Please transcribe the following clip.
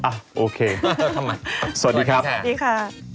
อุ๊ยเหรอโอเคสวัสดีครับสวัสดีค่ะสวัสดีค่ะ